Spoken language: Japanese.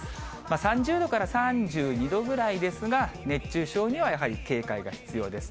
３０度から３２度ぐらいですが、熱中症にはやはり警戒が必要です。